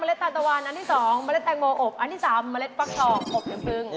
เว้ยสำหรับความตื่นไว้เลยครับ